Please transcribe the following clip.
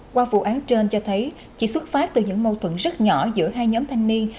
qua vụ án trên cho thấy chỉ xuất phát từ những mâu thuẫn rất nhỏ giữa hai nhóm thanh niên